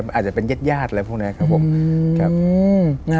อาจจะเป็นเย็ดยาดอะไรพวกนั้นครับผม